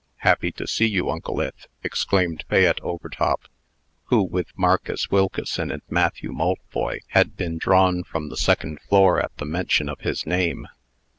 "Happy to see you, Uncle Ith!" exclaimed Fayette Overtop, who, with Marcus Wilkeson and Matthew Maltboy, had been drawn from the second floor at the mention of his name.